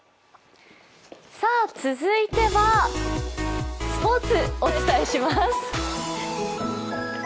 続いてはスポーツをお伝えします。